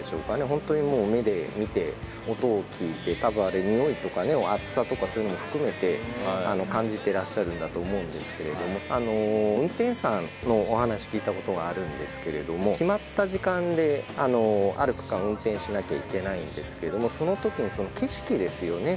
本当にもう目で見て音を聞いて多分あれにおいとか熱さとかそういうのも含めて感じてらっしゃるんだと思うんですけれども運転手さんのお話聞いたことがあるんですけれども決まった時間である区間運転しなきゃいけないんですけどもその時にその景色ですよね